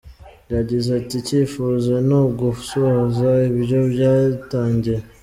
Yagize ati: “ikifuzo ni ugusoza ibyo batangiye.